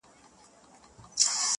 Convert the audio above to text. تر هر بیته مي راځې بیرته پناه سې،